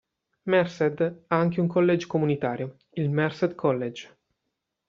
Merced ha anche un college comunitario, il Merced College.